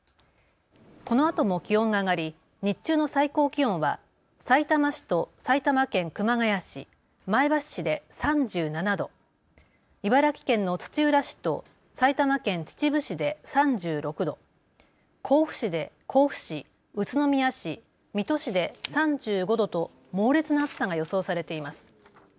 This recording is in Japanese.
このあとも気温が上がり日中の最高気温はさいたま市と埼玉県熊谷市、前橋市で３７度、茨城県の土浦市と埼玉県秩父市で３６度、甲府市、宇都宮市、水戸市で３５度と猛烈な暑さが予想されています。